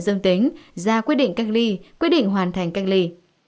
dân tính ra quyết định canh ly quyết định hoàn thành canh ly